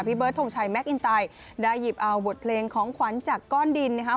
เบิร์ดทงชัยแมคอินไตได้หยิบเอาบทเพลงของขวัญจากก้อนดินนะครับ